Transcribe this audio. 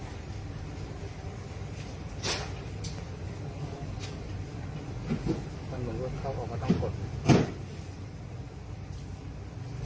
ก็ดูว่าเข้าออกมาต้องกด